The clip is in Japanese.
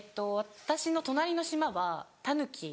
私の隣の島はタヌキ。